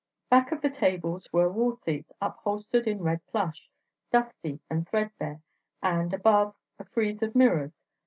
Back of the tables were wall seats upholstered in red plush, dusty and threadbare; and, above, a frieze of mirrors.